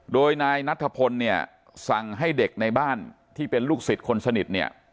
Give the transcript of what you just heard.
โดยนายนัทธพลเนี่ยสั่งให้เด็กในบ้านที่เป็นลูกศิษย์คนสนิทเนี่ย